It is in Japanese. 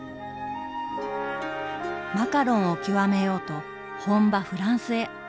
マカロンを極めようと本場フランスへ。